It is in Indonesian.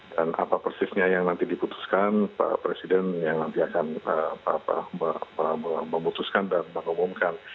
dan apa persisnya yang nanti diputuskan pak presiden yang nanti akan memutuskan dan mengumumkan